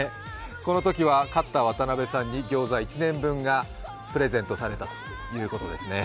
このときは勝った渡辺さんにギョーザ１年分がプレゼントされたということですね。